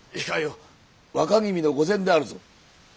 若君の御前であるぞ。